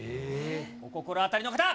お心当たりの方。